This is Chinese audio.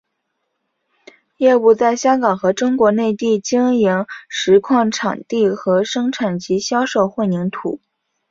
业务在香港和中国内地经营石矿场地和生产及销售混凝土。